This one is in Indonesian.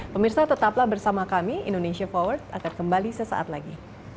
pemirsa tetaplah bersama kami indonesia forward akan kembali sesaat lagi